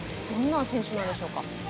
どんな選手なんでしょうか。